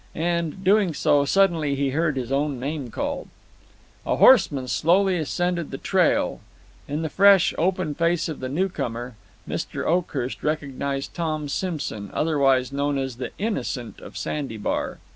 And, doing so, suddenly he heard his own name called. A horseman slowly ascended the trail. In the fresh, open face of the newcomer Mr. Oakhurst recognized Tom Simson, otherwise known as the "Innocent" of Sandy Bar.